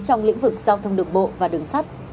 trong lĩnh vực giao thông đường bộ và đường sắt